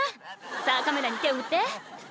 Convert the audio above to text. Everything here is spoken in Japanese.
さあカメラに手を振って。